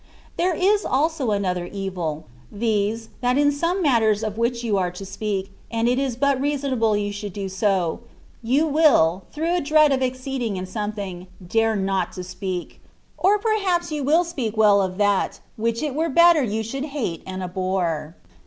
There is also another e^, viz., that in some mat ters of which you are to speak, and it is but reasonable you should do so, you will, through a dread of exceeding in something, not dare to speak; or p^haps you will speak well of that, which it were better you should hate and abhor.